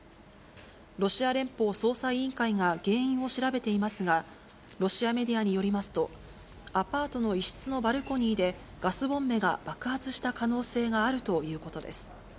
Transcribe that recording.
ロシア連邦捜査委員会が原因を調べていますが、ロシアメディアによりますと、アパートの一室のバルコニーでガスボンベが爆発した可能性があるということです。